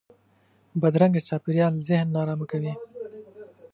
بدرنګه چاپېریال ذهن نارامه کوي